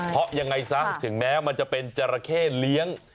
เพราะยังไงซะถึงแม้มันจะเป็นจราเข้เลี้ยง